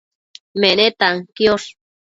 menetan quiosh